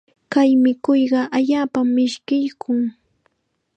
Kay mikuyqa allaapam mishkiykun.